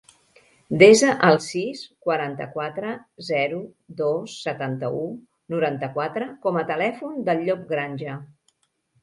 Desa el sis, quaranta-quatre, zero, dos, setanta-u, noranta-quatre com a telèfon del Llop Granja.